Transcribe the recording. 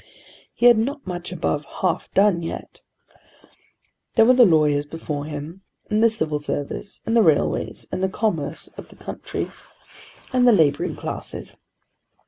He had not much above half done yet. There were the lawyers before him, and the Civil Service, and the railways, and the commerce of the country, and the labouring classes.